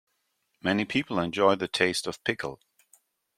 Many people enjoy the taste of pickle.